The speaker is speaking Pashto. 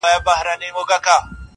پر څښتن دسپي دي وي افرینونه,